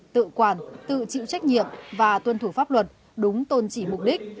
tự quản tự chịu trách nhiệm và tuân thủ pháp luật đúng tôn trị mục đích